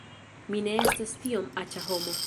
Mi ne estas tiom aĉa homo